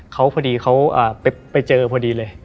เขาพอดีเขาไปเจอพอดีเลย